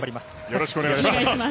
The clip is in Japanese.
よろしくお願いします。